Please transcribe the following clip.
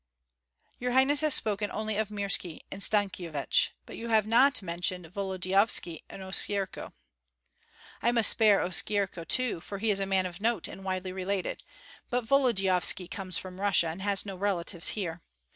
"Your highness has spoken only of Mirski and Stankyevich, you have not mentioned Volodyovski and Oskyerko." "I must spare Oskyerko, too, for he is a man of note and widely related; but Volodyovski comes from Russia and has no relatives here.